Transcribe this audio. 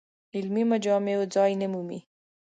علمي مجامعو ځای نه مومي.